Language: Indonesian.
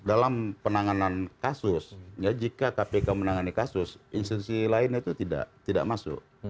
dalam penanganan kasus jika kpk menangani kasus institusi lain itu tidak masuk